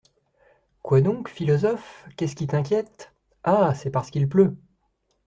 Quoi donc, philosophe ? qu'est-ce qui t'inquiète ?… Ah ! c'est parce qu'il pleut.